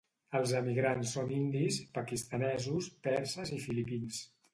Els emigrants són indis, pakistanesos, perses i filipins.